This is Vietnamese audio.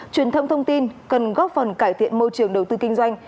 truyền thông thông tin cần góp phần cải thiện môi trường đầu tư kinh doanh